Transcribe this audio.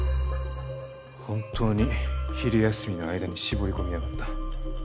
本当に昼休みの間に絞り込みやがった。